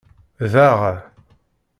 Daɣ.